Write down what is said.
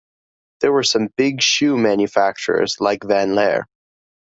There were some big shoe manufacturers like Van Lier.